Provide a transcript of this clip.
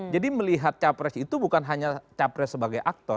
jadi melihat capres itu bukan hanya capres sebagai aktor